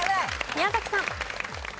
宮崎さん。